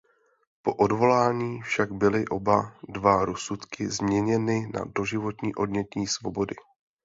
Po odvolání však byly oba dva rozsudky změněny na doživotní odnětí svobody.